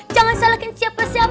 jangan salahkan siapa siapa